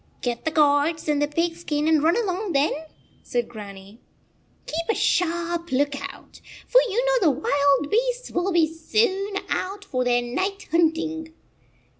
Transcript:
"Get the gourds and the pig skin and run along, then," said Grannie. "Keep a sharp lookout, for you know the wild beasts will soon be out for their night hunting."